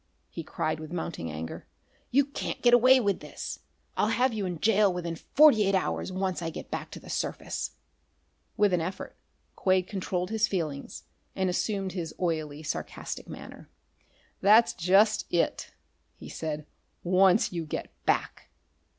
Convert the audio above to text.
he cried with mounting anger. "You can't get away with this! I'll have you in jail within forty eight hours, once I get back to the surface!" With an effort Quade controlled his feelings and assumed his oily, sarcastic manner. "That's just it," he said: "'once you get back!'